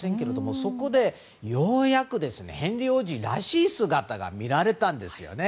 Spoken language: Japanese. そこで、ようやくヘンリー王子らしい姿が見られたんですよね。